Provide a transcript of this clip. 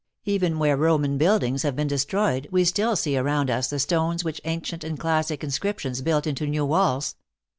Even where Roman buildings have been destroyed we still see around us the stones with ancient and classic inscriptions built into new walls.